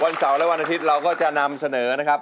เสาร์และวันอาทิตย์เราก็จะนำเสนอนะครับ